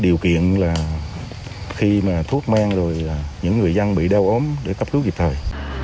điều kiện là khi mà thuốc men rồi những người dân bị đau ốm để cấp cứu kịp thời